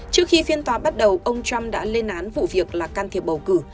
trước khi phiên tòa bắt đầu ông trump đã lên án vụ việc là can thiệp bầu cử